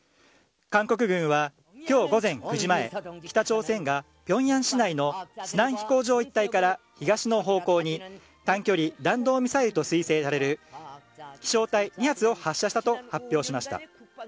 韓国軍はきょう午前９時前、北朝鮮が、ピョンヤン市内のスナン飛行場一帯から東の方向に、短距離弾道ミサイルと推定される、飛しょう体２発を発射したと発表しました。